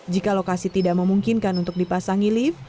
jika lokasi tidak memungkinkan untuk dipasangi lift